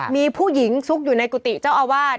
มีผู้หญิงซุกอยู่ในกุฏิเจ้าอาวาส